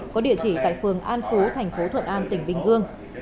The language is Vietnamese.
có địa chỉ tại phường an phú thành phố thuận an tỉnh bình dương